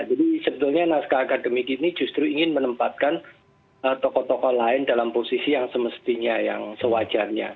jadi sebetulnya naskah akademik ini justru ingin menempatkan tokoh tokoh lain dalam posisi yang semestinya yang sewajarnya